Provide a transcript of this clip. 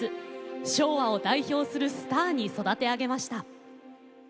昭和を代表するスターに育て上げました。